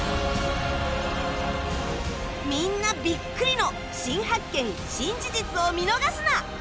みんなビックリの新発見・新事実を見逃すな！